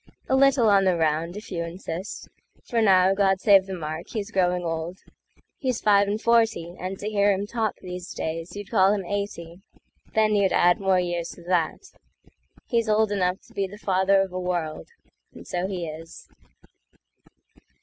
A little on the round if you insist, For now, God save the mark, he's growing old; He's five and forty, and to hear him talkThese days you'd call him eighty; then you'd addMore years to that. He's old enough to beThe father of a world, and so he is.